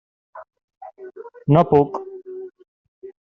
No puc.